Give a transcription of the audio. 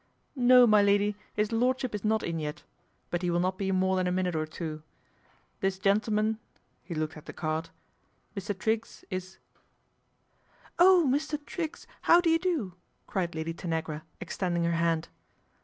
" No, my lady, his Lordship is not in yet ; but he will not be more than a minute or two. This gentleman," he looked at the card, " Mr. Triggs, ic____" " Oh, Mr. Triggs, how do you do ?" cried Lady Tanagra, extending her hand.